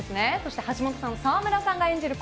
そして、橋本さんと沢村さんが演じる